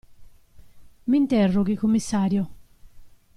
Mi interroghi, commissario!